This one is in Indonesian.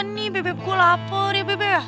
nih bebe gue lapar ya bebe